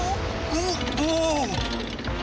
おおっお！